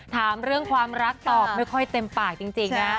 ถามเรื่องความรักตอบไม่ค่อยเต็มปากจริงนะ